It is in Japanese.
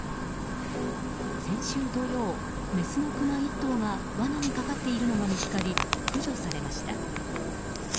先週土曜、メスのクマ１頭がわなにかかっているのが見つかり駆除されました。